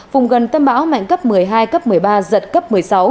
vùng gần tâm bão mạnh cấp một mươi hai cấp một mươi ba giật cấp một mươi sáu